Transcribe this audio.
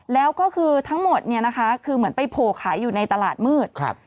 แล้วก็คือทั้งหมดคือเหมือนไปโผล่ขายอยู่ในตลาดมืด